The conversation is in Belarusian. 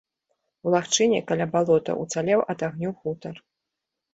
У лагчыне, каля балота, уцалеў ад агню хутар.